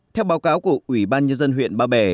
theo báo cáo của ủy ban nhân dân huyện ba bể